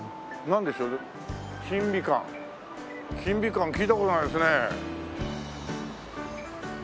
金美館聞いた事ないですね。